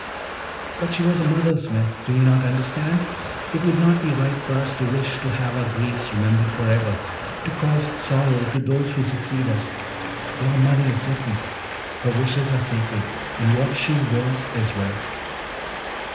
"But she was a mother, Smith, do you not understand? It would not be right for us to wish to have our griefs remembered for ever, to cause sorrow to those who succeed us; but a mother is different: her wishes are sacred, and what she wills is right."